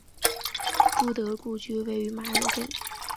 朱德故居位于马鞍镇。